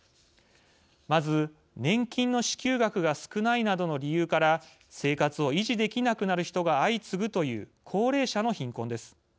まず、年金の支給額が少ないなどの理由から生活を維持できなくなる人が相次ぐという高齢者の貧困です。